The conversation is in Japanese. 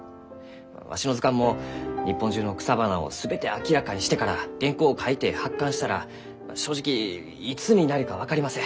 わしの図鑑も日本中の草花を全て明らかにしてから原稿を書いて発刊したら正直いつになるか分かりません。